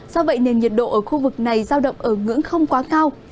do vậy nền nhiệt độ ở khu vực này giao động ở ngưỡng không quá cao